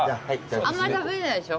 あんまり食べれないでしょ？